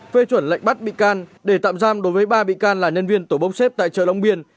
phê chuẩn lệnh bắt bị can để tạm giam đối với ba bị can là nhân viên tổ bốc xếp tại chợ long biên